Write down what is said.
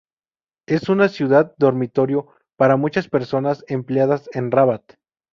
Es una ciudad dormitorio para muchas personas empleadas en Rabat.